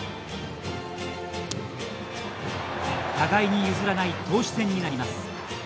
互いに譲らない投手戦になります。